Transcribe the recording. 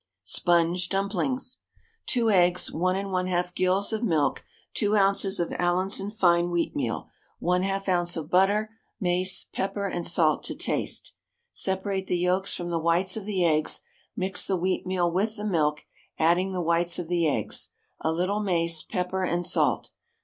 SPONGE DUMPLINGS. 2 eggs, 1 1/2 gills of milk, 2 oz. of Allinson fine wheatmeal, 1/2 oz. of butter, mace, pepper, and salt to taste. Separate the yolks from the whites of the eggs; mix the wheatmeal with the milk, adding the whites of the eggs, a little mace, pepper and salt.